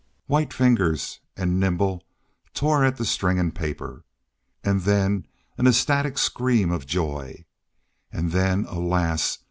White fingers and nimble tore at the string and paper. And then an ecstatic scream of joy; and then, alas!